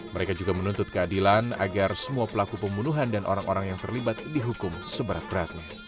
mereka juga menuntut keadilan agar semua pelaku pembunuhan dan orang orang yang terlibat dihukum seberat beratnya